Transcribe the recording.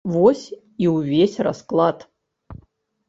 Вось і ўвесь расклад!